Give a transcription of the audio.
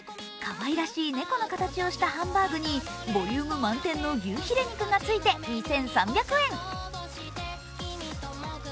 かわいらしい猫の形をしたハンバーグにボリューム満点の牛ヒレ肉がついて２３００円。